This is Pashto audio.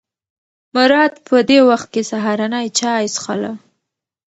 مراد په دې وخت کې سهارنۍ چای څښله.